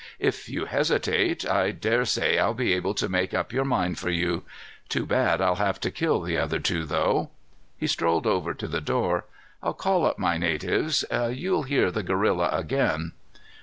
If you hesitate, I dare say I'll be able to make up your mind for you. Too bad I'll have to kill the other two, though." He strolled over to the door. "I'll call up my natives. You'll hear the gorilla again."